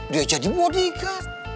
dia jadi bodyguard